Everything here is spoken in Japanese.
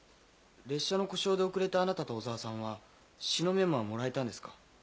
列車の故障で遅れたあなたと小沢さんは詩のメモはもらえたんですか？